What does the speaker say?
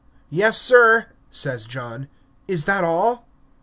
"Yes, sir," says John, "is that all?"